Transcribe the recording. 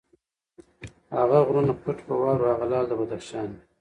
هغه غرونه پټ په واورو، هغه لعل د بدخشان مي